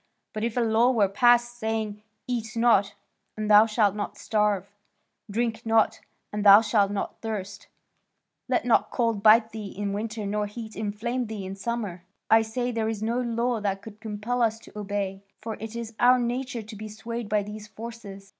But if a law were passed saying, 'Eat not, and thou shalt not starve; Drink not, and thou shalt not thirst; Let not cold bite thee in winter nor heat inflame thee in summer,' I say there is no law that could compel us to obey; for it is our nature to be swayed by these forces.